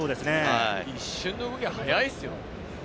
一瞬の動きが速いですよ。